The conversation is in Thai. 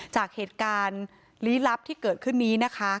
จากเหตุการณ์ลี้ลับที่เกิดขึ้นนี้นะคะ